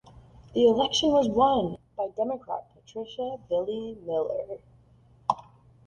The election was won by Democrat Patricia Billie Miller.